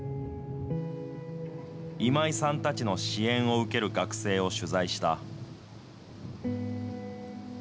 今井さんたちの支援を受ける学生を取材した。